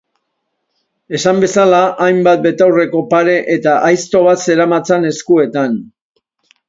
Esan bezala, hainbat betaurreko pare eta aizto bat zeramatzan eskuetan.